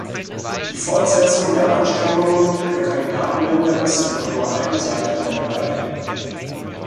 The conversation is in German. Die Fortsetzung der Anstrengungen der Kandidatenländer ist jedoch nur eine Seite der Medaille.